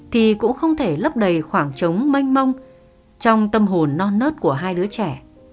thì cũng không thể lấp đầy khoảng trống manh mông trong tâm hồn non nớt của hai đứa trẻ